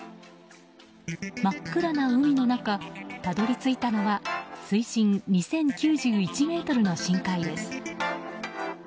真っ暗な海の中たどり着いたのは水深２０９１ｍの深海です。